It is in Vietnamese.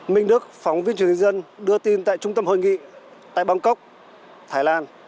minh đức phóng viên truyền hình dân đưa tin tại trung tâm hội nghị tại bangkok thái lan